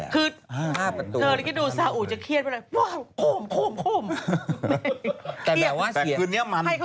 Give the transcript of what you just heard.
๕ประตูดูสาอุจะเครียดไปแล้วโคมโคมโคม